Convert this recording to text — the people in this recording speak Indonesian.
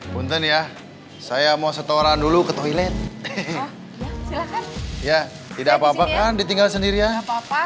punten ya saya mau setoran dulu ke toilet ya tidak apa apa kan ditinggal sendiri ya apa apa